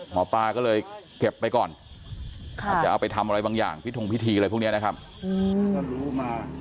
หมอปลาก็เลยเก็บไปก่อนอาจจะเอาไปทำอะไรบางอย่างพิทงพิธีอะไรพวกนี้นะครับ